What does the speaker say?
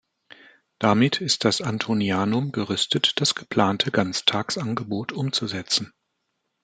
Damit ist das Antonianum gerüstet, das geplante Ganztagsangebot umzusetzen.